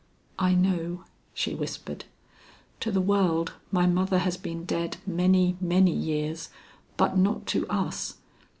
"I know," she whispered. "To the world my mother has been dead many, many years, but not to us.